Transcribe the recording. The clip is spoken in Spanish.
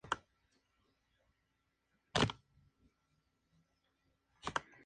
Al estallar la Segunda Guerra Mundial, volvió a Buenos Aires, repatriado.